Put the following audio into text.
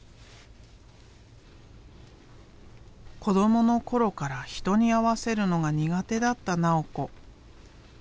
子どもの頃から人に合わせるのが苦手だった直子。